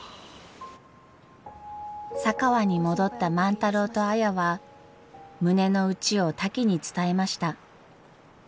佐川に戻った万太郎と綾は胸の内をタキに伝えました。